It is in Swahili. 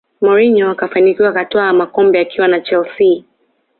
Mourinho akafanikiwa akatwaa makombe akiwa na chelsea